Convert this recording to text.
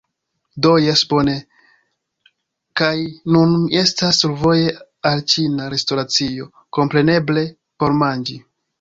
Do jes, bone. kaj nun mi estas survoje al ĉina restoracio, kompreneble, por manĝi!